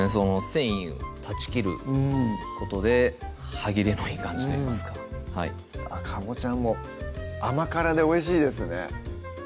繊維を断ち切ることで歯切れのいい感じといいますかあっかぼちゃも甘辛でおいしいですね